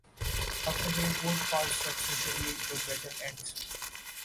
After they both pass successively the battle ends.